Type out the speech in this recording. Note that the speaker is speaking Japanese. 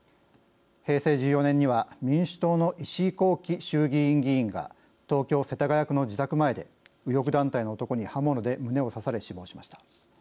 平成１４年には民主党の石井紘基衆議院議員が東京・世田谷区の自宅前で右翼団体の男に刃物で胸を刺され死亡しました。